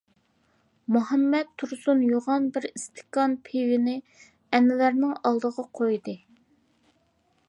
مۇھەممەت تۇرسۇن يوغان بىر ئىستاكان پىۋىنى ئەنۋەرنىڭ ئالدىغا قويدى.